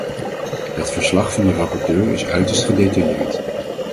Het verslag van de rapporteur is uiterst gedetailleerd.